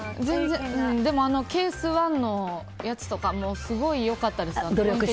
でもケース１のやつとかもすごい良かったですね。